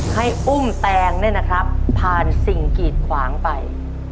ให้อุ้มแตงเนี่ยนะครับผ่านสิ่งกีดขวางไป